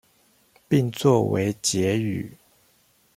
並做為結語